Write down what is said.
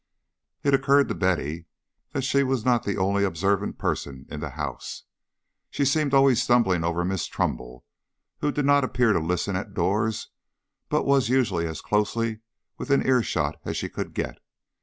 It occurred to Betty that she was not the only observant person in the house. She seemed always stumbling over Miss Trumbull, who did not appear to listen at doors but was usually as closely within ear shot as she could get.